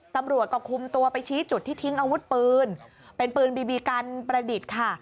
ตำรวจก็คุมตัวไปชี้จุดที่ทิ้งอาวุธปืนเป็นปืนบีบีกันประดิษฐ์ค่ะ